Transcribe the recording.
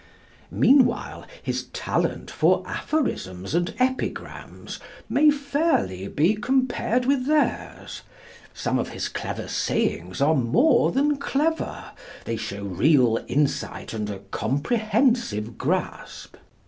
Meanwhile his talent for aphorisms and epigrams may fairly be compared with theirs: some of his clever sayings are more than clever, they show real insight and a comprehensive grasp.